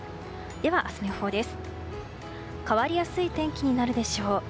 明日の予報です。